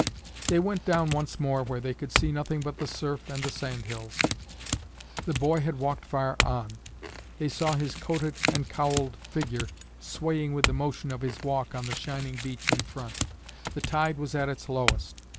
They went down once more where they could see nothing but the surf and the sand hills. The boy had walked far on; they saw his coated and cowled figure swaying with the motion of his walk on the shining beach in front. The tide was at its lowest.